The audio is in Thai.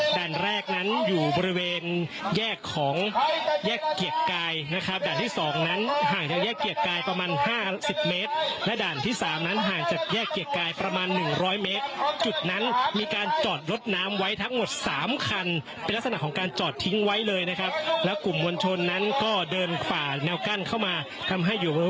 ด่านแรกนั้นอยู่บริเวณแยกของแยกเกียรติกายนะครับด่านที่สองนั้นห่างจากแยกเกียรติกายประมาณห้าสิบเมตรและด่านที่สามนั้นห่างจากแยกเกียรติกายประมาณหนึ่งร้อยเมตรจุดนั้นมีการจอดรถน้ำไว้ทั้งหมดสามคันเป็นลักษณะของการจอดทิ้งไว้เลยนะครับแล้วกลุ่มมวลชนนั้นก็เดินฝ่าแนวกั้นเข้ามาทำให้อยู่